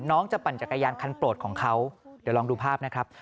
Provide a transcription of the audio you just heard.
น้องจะปั่นจักรยานคันโปรดของเขาเดี๋ยวลองดูภาพนะครับ